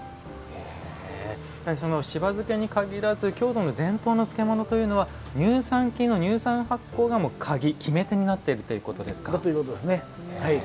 しば漬けに限らず京都の伝統のものというのは乳酸菌の乳酸発酵が決め手になっているということですね。